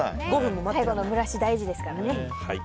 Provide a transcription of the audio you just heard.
最後の蒸らし大事ですからね。